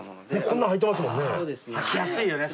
こんなん履いてますもんね。